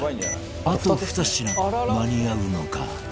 あと２品間に合うのか？